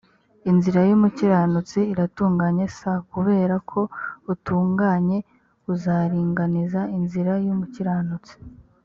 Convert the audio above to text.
inzira y umukiranutsi iratunganye s kubera ko utunganye uzaringaniza inzira y umukiranutsi